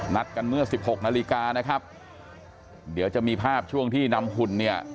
นัดกันเมื่อสิบหกนาฬิกานะครับเดี๋ยวจะมีภาพช่วงที่นำหุ่นเนี่ย